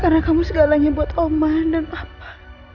karena kamu segalanya buat oma dan papa